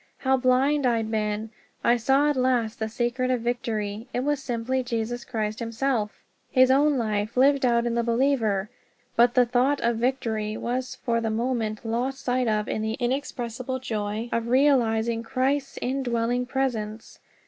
How blind I'd been! I saw at last the secret of victory it was simply Jesus Christ himself his own life lived out in the believer. But the thought of victory was for the moment lost sight of in the inexpressible joy of realizing CHRIST'S INDWELLING PRESENCE!